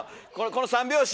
この三拍子！